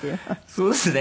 そうですね。